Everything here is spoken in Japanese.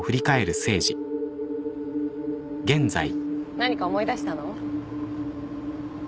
何か思い出したの？